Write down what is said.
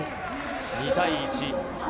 ２対１。